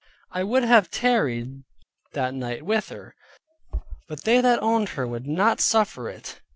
I would have tarried that night with her, but they that owned her would not suffer it.